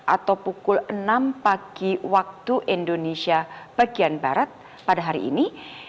atau pukul enam pagi waktu indonesia bagian barat pada hari ini